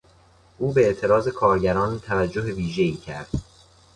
او به اعتراض کارگران توجه ویژهای کرد.